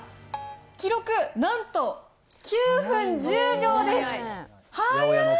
記録なんと９分１０秒です。